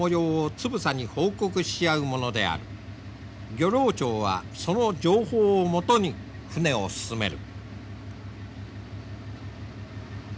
漁労長はその情報をもとに船を進める。